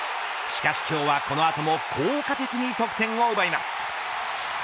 しかし今日は、このあとも効果的に得点を奪います。